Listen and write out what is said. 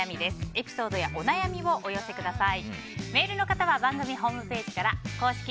エピソードやお悩みをお寄せください。